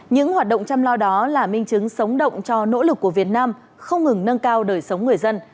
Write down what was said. những hoạt động chăm lo đó là minh chứng sống động cho nỗ lực của việt nam không ngừng nâng cao đời sống người dân